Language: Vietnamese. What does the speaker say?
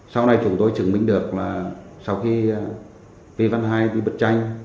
sau này chúng tôi chứng minh được là sau khi vi văn hai đi bật tranh